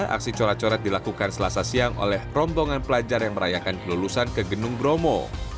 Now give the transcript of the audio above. aksi corak coret dilakukan selasa siang oleh rombongan pelajar yang merayakan kelulusan ke gedung bromo